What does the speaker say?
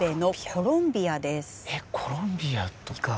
コロンビア意外。